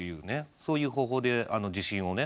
そういう方法で自信をね